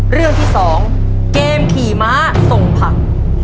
เรื่องที่๒เกมขี่ม้าส่งผัก